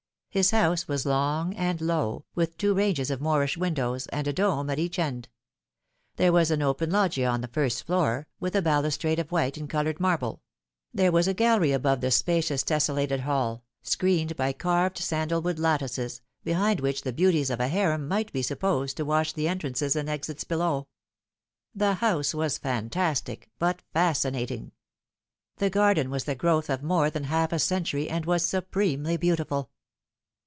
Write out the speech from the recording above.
His house was long and low, with two ranges of Moorish windows, and a dome at each end. There was an open loggia on the first floor, with a bal ustrade of white and coloured marble ; there was a gallery above the spacious tesselated hall, screened by carved sandal wood lat tices, behind which the beauties of a harem might be supposed to watch the entrances and exits below. The house was fantas tic, but fascinating. The garden was the growth of more than half a century, and was supremely beautiful.